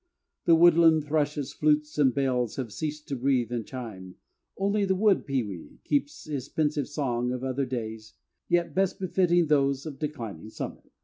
The woodland thrushes' flutes and bells have ceased to breathe and chime, only the wood pewee keeps his pensive song of other days, yet best befitting those of declining summer.